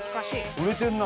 売れてるな。